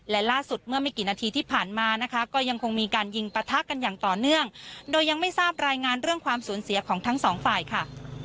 และล่าสุดเมื่อไม่กี่นาทีที่ผ่านมานะคะก็ยังคงมีการยิงปะทะกันอย่างต่อเนื่องโดยยังไม่ทราบรายงานเรื่องความสูญเสียของทั้งสองฝ่ายค่ะ